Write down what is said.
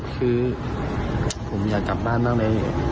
คือผมอยากกลับบ้านมานานดิ